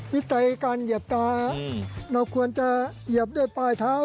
วิจัยการเหยียบตาเราควรจะเหยียบด้วยปลายเท้า